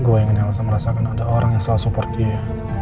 gue ingin elsa merasakan ada orang yang salah support dia